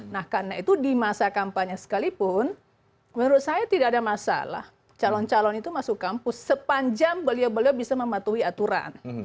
nah karena itu di masa kampanye sekalipun menurut saya tidak ada masalah calon calon itu masuk kampus sepanjang beliau beliau bisa mematuhi aturan